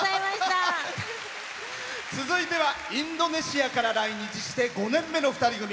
続いてはインドネシアから来日して５年目の２人組。